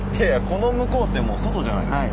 この向こうってもう外じゃないですか。